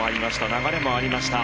流れもありました。